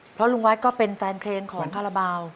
เพราะลุงวัดก็เป็นแฟนเพลงของคาราบาล